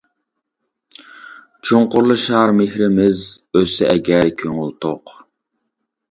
چوڭقۇرلىشار مېھرىمىز، ئۆتسە ئەگەر كۆڭۈل توق.